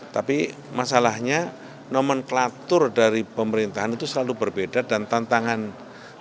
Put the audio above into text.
tapi masalahnya nomenklatur dari pemerintahan itu selalu berbeda dan tantangannya